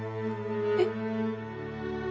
えっ。